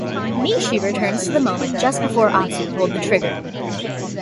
Nishi returns to the moment just before Atsu pulled the trigger.